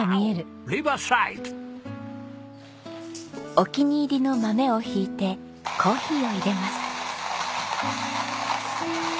お気に入りの豆をひいてコーヒーをいれます。